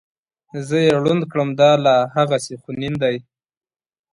زه یې ړوند کړم دا لا هغسې خونین دی.